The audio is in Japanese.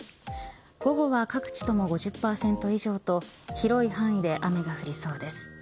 午後は各地とも５０％以上と広い範囲で雨が降りそうです。